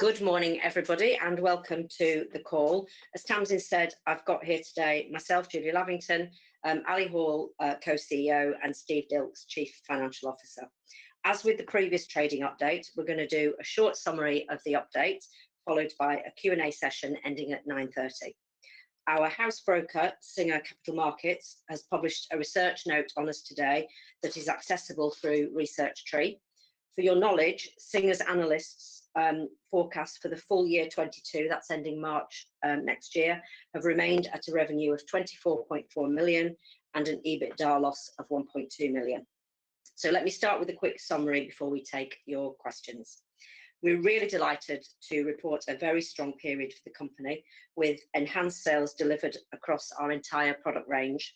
Good morning, everybody, and welcome to the call. As Tamsin said, I've got here today myself, Julie Lavington, Alison Hall, co-CEO, and Steve Dilks, Chief Financial Officer. As with the previous trading update, we're going to do a short summary of the update, followed by a Q&A session ending at 9:30 A.M. Our house broker, Singer Capital Markets, has published a research note on us today that is accessible through Research Tree. For your knowledge, Singer's analysts' forecast for the full year 2022, that's ending March 2023, have remained at a revenue of 24.4 million and an EBITDA loss of 1.2 million. Let me start with a quick summary before we take your questions. We're really delighted to report a very strong period for the company, with enhanced sales delivered across our entire product range,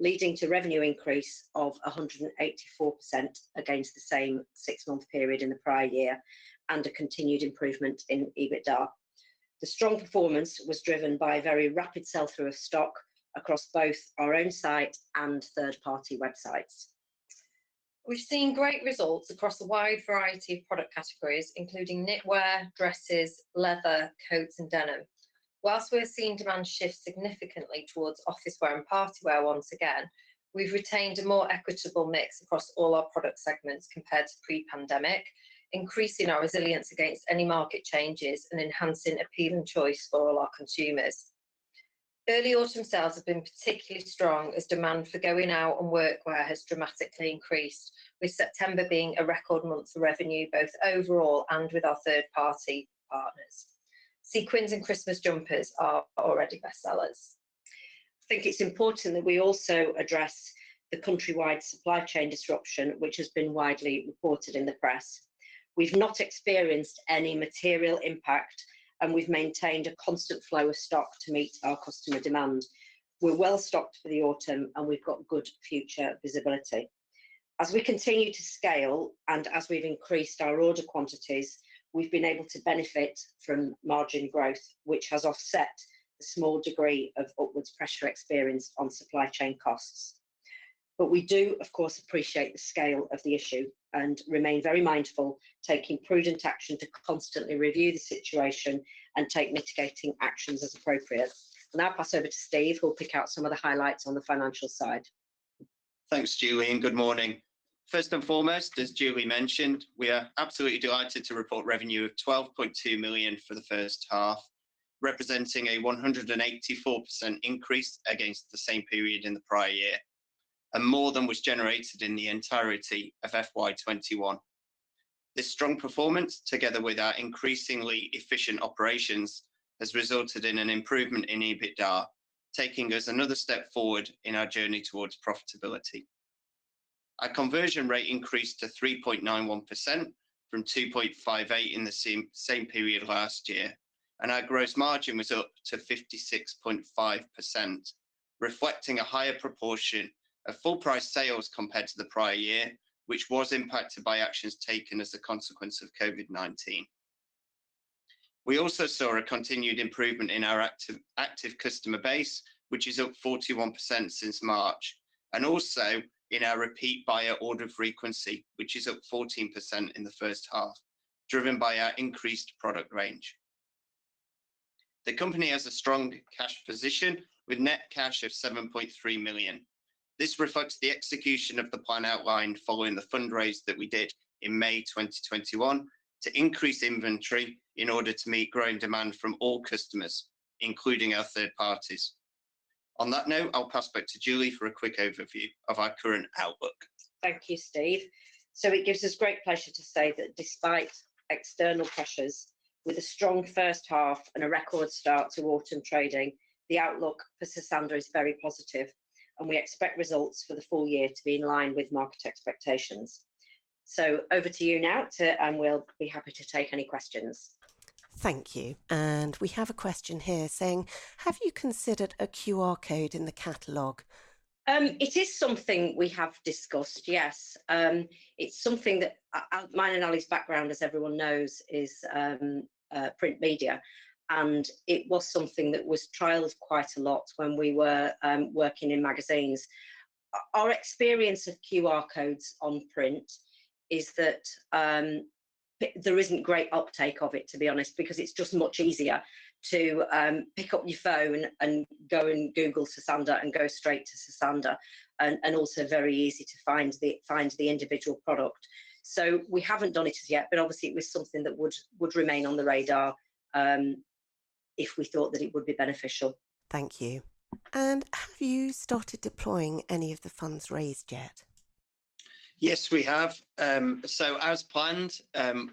leading to revenue increase of 184% against the same six-month period in the prior year, and a continued improvement in EBITDA. The strong performance was driven by a very rapid sell-through of stock across both our own site and third-party websites. We've seen great results across a wide variety of product categories, including knitwear, dresses, leather, coats, and denim. While we're seeing demand shift significantly towards office wear and party wear once again, we've retained a more equitable mix across all our product segments compared to pre-pandemic, increasing our resilience against any market changes and enhancing appealing choice for all our consumers. Early autumn sales have been particularly strong as demand for going out and work wear has dramatically increased, with September being a record month for revenue, both overall and with our 3rd-party partners. Sequins and Christmas jumpers are already bestsellers. I think it's important that we also address the country-wide supply chain disruption, which has been widely reported in the press. We've not experienced any material impact, and we've maintained a constant flow of stock to meet our customer demand. We're well stocked for the autumn, and we've got good future visibility. As we continue to scale, and as we've increased our order quantities, we've been able to benefit from margin growth, which has offset the small degree of upwards pressure experienced on supply chain costs. We do, of course, appreciate the scale of the issue and remain very mindful, taking prudent action to constantly review the situation and take mitigating actions as appropriate. Now I'll pass over to Steve, who will pick out some of the highlights on the financial side. Thanks, Julie, and good morning. First and foremost, as Julie mentioned, we are absolutely delighted to report revenue of 12.2 million for the first half, representing a 184% increase against the same period in the prior year, and more than was generated in the entirety of FY21. This strong performance, together with our increasingly efficient operations, has resulted in an improvement in EBITDA, taking us another step forward in our journey towards profitability. Our conversion rate increased to 3.91% from 2.58% in the same period last year, and our gross margin was up to 56.5%, reflecting a higher proportion of full price sales compared to the prior year, which was impacted by actions taken as a consequence of COVID-19. We also saw a continued improvement in our active customer base, which is up 41% since March, and also in our repeat buyer order frequency, which is up 14% in the first half, driven by our increased product range. The company has a strong cash position with net cash of 7.3 million. This reflects the execution of the plan outlined following the fundraise that we did in May 2021 to increase inventory in order to meet growing demand from all customers, including our third parties. On that note, I'll pass back to Julie for a quick overview of our current outlook. Thank you, Steve. It gives us great pleasure to say that despite external pressures, with a strong first half and a record start to autumn trading, the outlook for Sosandar is very positive, and we expect results for the full year to be in line with market expectations. Over to you now, and we'll be happy to take any questions. Thank you. We have a question here saying, Have you considered a QR code in the catalog? It is something we have discussed, yes. It's something that, mine and Ali's background, as everyone knows, is print media, and it was something that was trialed quite a lot when we were working in magazines. Our experience of QR codes on print is that there isn't great uptake of it, to be honest, because it's just much easier to pick up your phone and go and Google Sosandar and go straight to Sosandar, and also very easy to find the individual product. We haven't done it as yet, but obviously, it was something that would remain on the radar, if we thought that it would be beneficial. Thank you. Have you started deploying any of the funds raised yet? Yes, we have. As planned,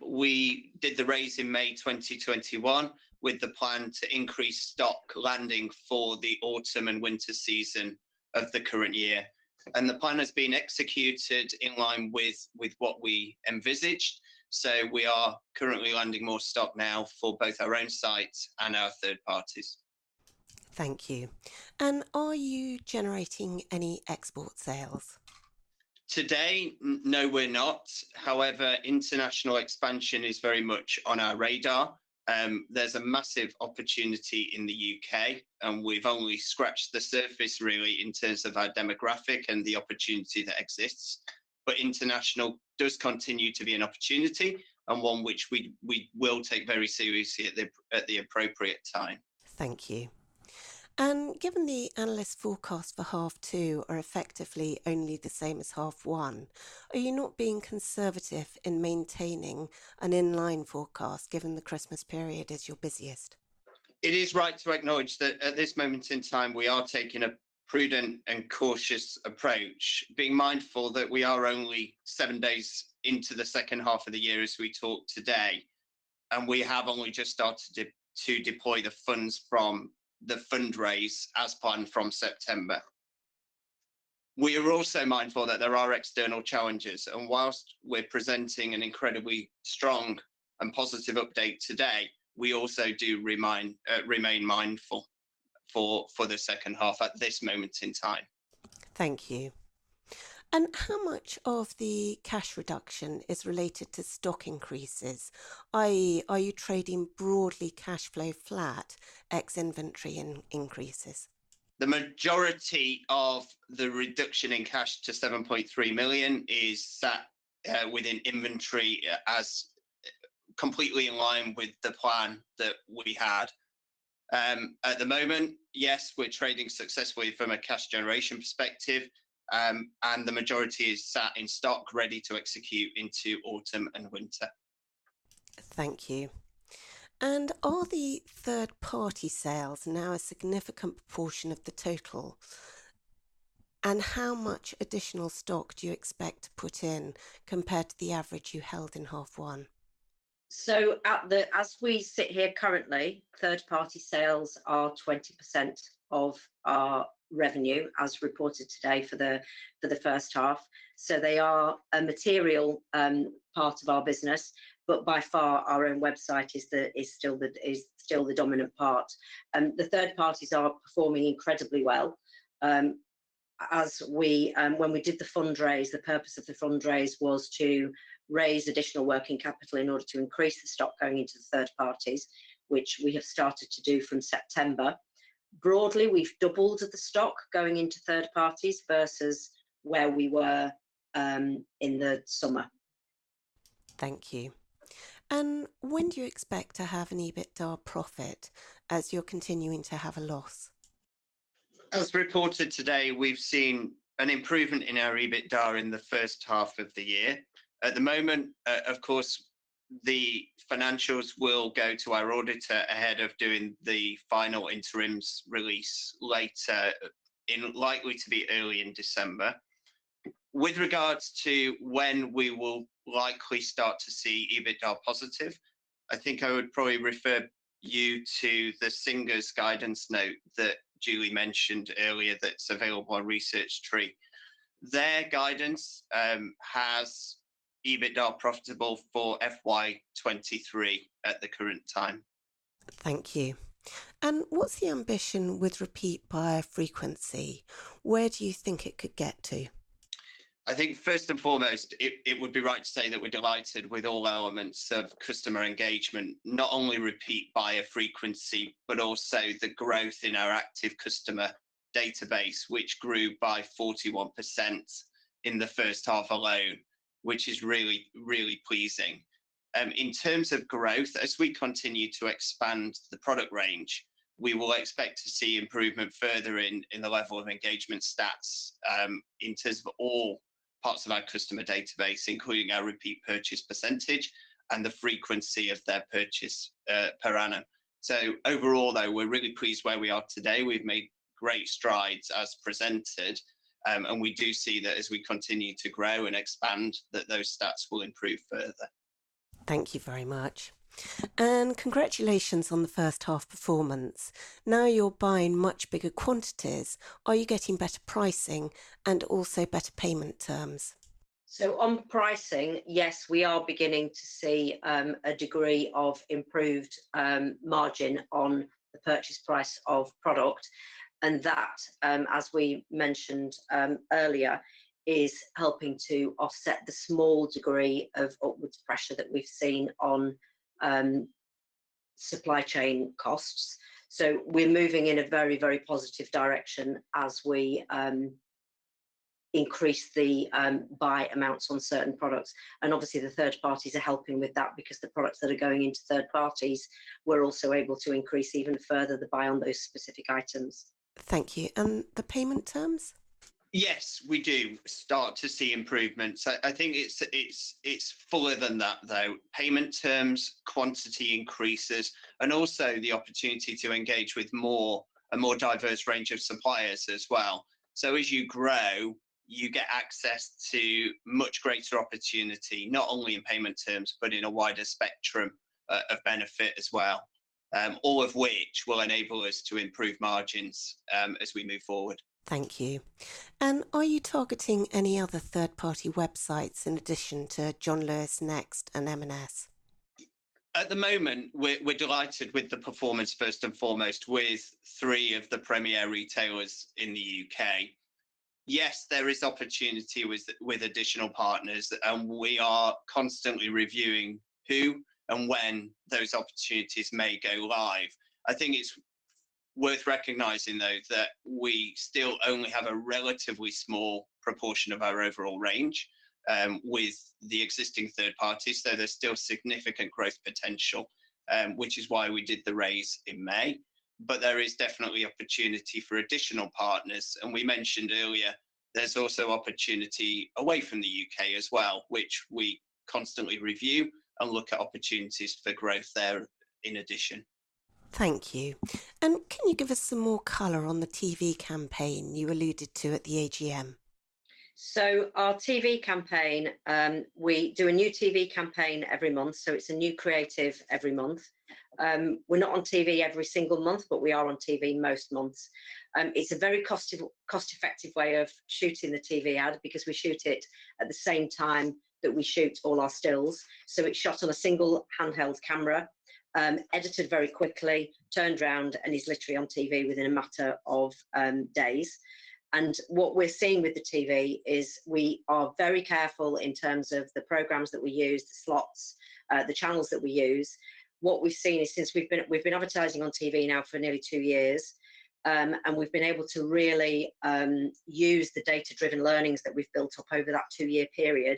we did the raise in May 2021 with the plan to increase stock landing for the autumn and winter season of the current year. The plan has been executed in line with what we envisaged. We are currently landing more stock now for both our own sites and our third parties. Thank you. Are you generating any export sales? Today, no, we're not. International expansion is very much on our radar. There's a massive opportunity in the U.K., and we've only scratched the surface really in terms of our demographic and the opportunity that exists. International does continue to be an opportunity and one which we will take very seriously at the appropriate time. Thank you. Given the analyst forecast for half two are effectively only the same as half one, are you not being conservative in maintaining an in-line forecast given the Christmas period is your busiest? It is right to acknowledge that at this moment in time, we are taking a prudent and cautious approach, being mindful that we are only seven days into the second half of the year as we talk today, and we have only just started to deploy the funds from the fundraise as planned from September. We are also mindful that there are external challenges, and whilst we're presenting an incredibly strong and positive update today, we also do remain mindful for the second half at this moment in time. Thank you. How much of the cash reduction is related to stock increases, i.e., are you trading broadly cash flow flat ex inventory increases? The majority of the reduction in cash to 7.3 million is sat within inventory as completely in line with the plan that we had. At the moment, yes, we're trading successfully from a cash generation perspective, and the majority is sat in stock ready to execute into autumn and winter. Thank you. Are the third-party sales now a significant proportion of the total? How much additional stock do you expect to put in compared to the average you held in half one? As we sit here currently, third-party sales are 20% of our revenue, as reported today for the first half. They are a material part of our business. By far, our own website is still the dominant part. The third parties are performing incredibly well. When we did the fundraise, the purpose of the fundraise was to raise additional working capital in order to increase the stock going into the third parties, which we have started to do from September. Broadly, we've doubled the stock going into third parties versus where we were in the summer. Thank you. When do you expect to have an EBITDA profit, as you're continuing to have a loss? As reported today, we've seen an improvement in our EBITDA in the first half of the year. At the moment, of course, the financials will go to our auditor ahead of doing the final interims release later, likely to be early in December. With regards to when we will likely start to see EBITDA positive, I think I would probably refer you to the Singer guidance note that Julie mentioned earlier that's available on Research Tree. Their guidance has EBITDA profitable for FY 2023 at the current time. Thank you. What's the ambition with repeat buyer frequency? Where do you think it could get to? I think first and foremost, it would be right to say that we're delighted with all elements of customer engagement. Not only repeat buyer frequency, but also the growth in our active customer database, which grew by 41% in the first half alone, which is really pleasing. In terms of growth, as we continue to expand the product range, we will expect to see improvement further in the level of engagement stats in terms of all parts of our customer database, including our repeat purchase percentage and the frequency of their purchase per annum. Overall, though, we're really pleased where we are today. We've made great strides as presented, and we do see that as we continue to grow and expand, that those stats will improve further. Thank you very much. Congratulations on the first half performance. Now you're buying much bigger quantities. Are you getting better pricing and also better payment terms? On pricing, yes, we are beginning to see a degree of improved margin on the purchase price of product, and that, as we mentioned earlier, is helping to offset the small degree of upwards pressure that we've seen on supply chain costs. We're moving in a very, very positive direction as we increase the buy amounts on certain products. Obviously the third parties are helping with that because the products that are going into third parties, we're also able to increase even further the buy on those specific items. Thank you. The payment terms? Yes, we do start to see improvements. I think it's fuller than that, though. Payment terms, quantity increases, and also the opportunity to engage with a more diverse range of suppliers as well. As you grow, you get access to much greater opportunity, not only in payment terms, but in a wider spectrum of benefit as well, all of which will enable us to improve margins as we move forward. Thank you. Are you targeting any other third-party websites in addition to John Lewis, Next, and M&S? At the moment, we're delighted with the performance first and foremost with three of the premier retailers in the U.K. Yes, there is opportunity with additional partners, and we are constantly reviewing who and when those opportunities may go live. I think it's worth recognizing, though, that we still only have a relatively small proportion of our overall range with the existing third parties, so there's still significant growth potential, which is why we did the raise in May. There is definitely opportunity for additional partners. We mentioned earlier there's also opportunity away from the U.K. as well, which we constantly review and look at opportunities for growth there in addition. Thank you. Can you give us some more color on the TV campaign you alluded to at the AGM? Our TV campaign, we do a new TV campaign every month. It's a new creative every month. We're not on TV every single month, but we are on TV most months. It's a very cost-effective way of shooting the TV ad because we shoot it at the same time that we shoot all our stills. It's shot on a single handheld camera, edited very quickly, turned around, and is literally on TV within a matter of days. What we're seeing with the TV is we are very careful in terms of the programs that we use, the slots, the channels that we use. What we've seen is since we've been advertising on TV now for nearly two years, and we've been able to really use the data-driven learnings that we've built up over that two year period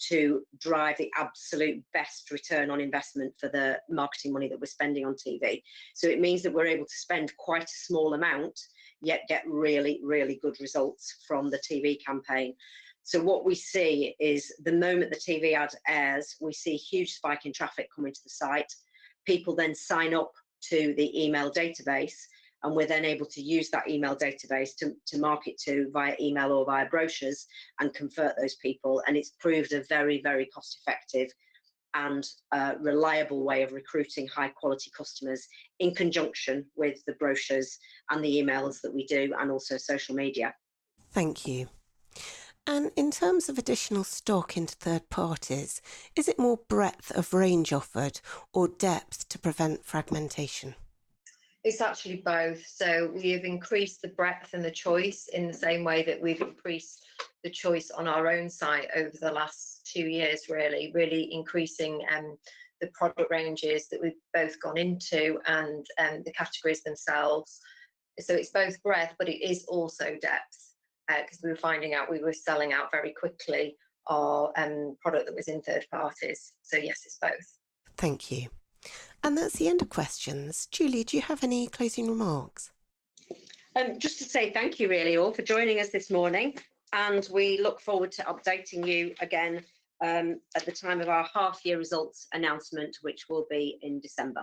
to drive the absolute best return on investment for the marketing money that we're spending on TV. It means that we're able to spend quite a small amount, yet get really, really good results from the TV campaign. What we see is the moment the TV ad airs, we see a huge spike in traffic coming to the site. People then sign up to the email database, and we're then able to use that email database to market to via email or via brochures and convert those people. It's proved a very, very cost-effective and reliable way of recruiting high quality customers in conjunction with the brochures and the emails that we do, and also social media. Thank you. In terms of additional stock into third parties, is it more breadth of range offered or depth to prevent fragmentation? It's actually both. We have increased the breadth and the choice in the same way that we've increased the choice on our own site over the last two years, really increasing the product ranges that we've both gone into and the categories themselves. It's both breadth, but it is also depth, because we were finding out we were selling out very quickly our product that was in third parties. Yes, it's both. Thank you. That's the end of questions. Julie, do you have any closing remarks? Just to say thank you really, all for joining us this morning. We look forward to updating you again at the time of our half year results announcement, which will be in December.